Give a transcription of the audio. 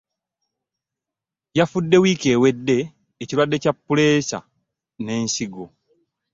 Yafudde wiiki ewedde ekirwadde kya Puleesa n'ensigo.